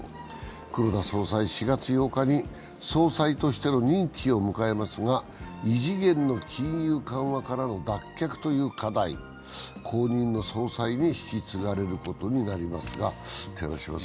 黒田総裁、４月８日に、総裁としての任期を迎えますが、異次元の金融緩和からの脱却という課題は後任の総裁に引き継がれることになります。